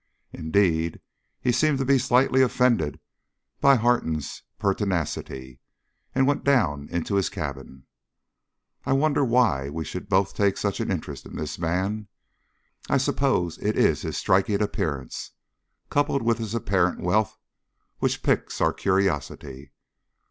Indeed, he seemed to be slightly offended by Harton's pertinacity, and went down into his cabin. I wonder why we should both take such an interest in this man! I suppose it is his striking appearance, coupled with his apparent wealth, which piques our curiosity.